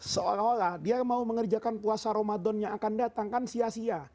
seolah olah dia mau mengerjakan puasa ramadan yang akan datang kan sia sia